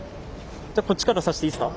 じゃあこっちから差していいっすか。